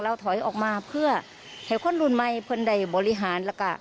แล้วถอยออกมาเพื่อให้คนรุ่นใหม่เพลินใดบริหาร